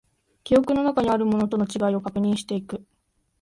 記憶の中にあるものとの違いを確認していく